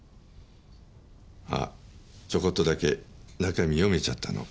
あっちょこっとだけ中身読めちゃったの。